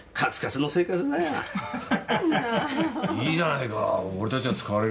いいじゃないか。